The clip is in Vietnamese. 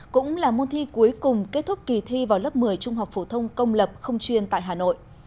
cũng là môn thi cuối cùng kết thúc kỳ thi vào lớp một mươi trung học phổ thông công lập không chuyên tại hà nội